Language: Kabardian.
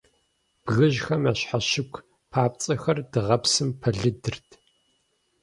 Бгыжьхэм я щхьэщыгу папцӀэхэр дыгъэпсым пэлыдырт.